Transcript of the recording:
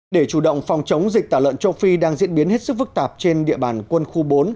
để chủ động phòng chống dịch tả lợn châu phi đang diễn biến hết sức phức tạp trên địa bàn quân khu bốn